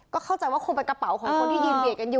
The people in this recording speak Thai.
ก็เข้าใจว่าคงเป็นกระเป๋าของคนที่ยืนเบียดกันอยู่